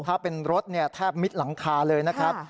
ถ้าเป็นรถแทบมิดหลังคาเลยนะครับ